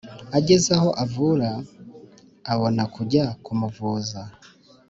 ageze aho avura, abona kujya kumuvuza.